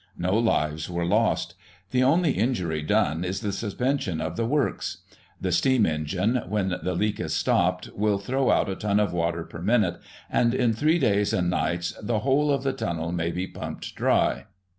No lives were lost. The only injury done is the suspension of the works. The steam engine, when .the leak is stopped, will throw out a ton of water per minute ; and, in three days and nights, the whole of the txmnel may be pimiped dry."